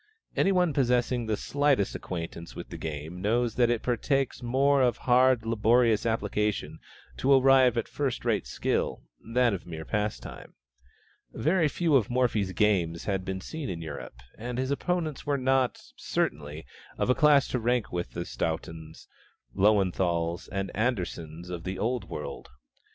Any one possessing the slightest acquaintance with the game knows that it partakes more of hard, laborious application to arrive at first rate skill, than of mere pastime. Very few of Morphy's games had been seen in Europe, and his opponents were not, certainly, of a class to rank with the Stauntons, Löwenthals, and Anderssens of the Old World.